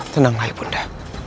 tenanglah ibu nda